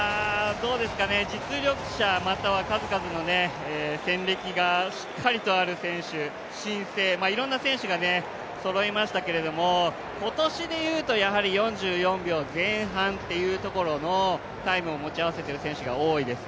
実力者、または数々の戦歴がしっかりとある選手、新星、いろんな選手がそろいましたけれども、今年でいうと、４４秒前半というところのタイムを持ち合わせている選手が多いです。